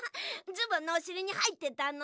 ズボンのおしりにはいってたのだ。